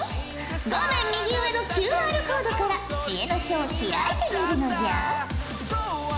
画面右上のＱＲコードから知恵の書を開いてみるのじゃ。